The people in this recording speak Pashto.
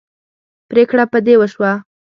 پرېکړه په دې وشوه.